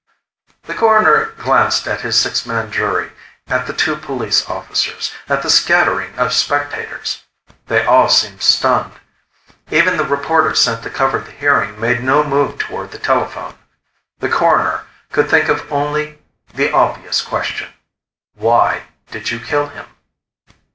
The Coroner glanced at his six man jury, at the two police officers, at the scattering of spectators. They all seemed stunned. Even the reporter sent to cover the hearing made no move toward the telephone. The Coroner could think of only the obvious question: "Why did you kill him?"